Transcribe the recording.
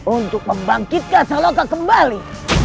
untuk membangkitkan saloka kembali